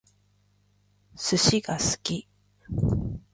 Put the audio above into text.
寿司が好き